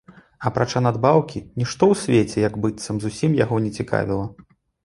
Апрача надбаўкі, нішто ў свеце, як быццам, зусім яго не цікавіла.